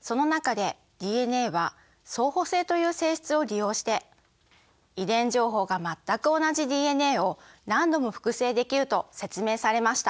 その中でＤＮＡは相補性という性質を利用して遺伝情報が全く同じＤＮＡを何度も複製できると説明されました。